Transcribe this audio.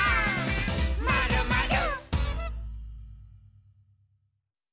「まるまる」